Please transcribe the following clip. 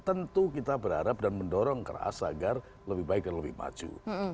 tentu kita berharap dan mendorong keras agar lebih baik dan lebih maju